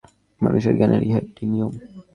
মানুষের জ্ঞানের ইহা একটি নিয়ম।